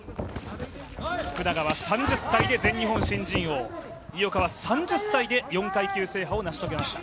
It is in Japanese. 福永は３０歳で全日本新人王井岡は３０歳で４階級制覇を成し遂げました。